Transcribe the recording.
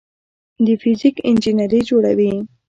د فزیک انجینري جوړوي.